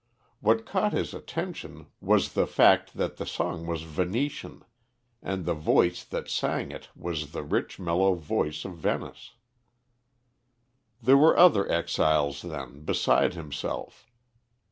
What caught his attention was the fact that the song was Venetian, and the voice that sang it was the rich mellow voice of Venice. There were other exiles, then, beside himself.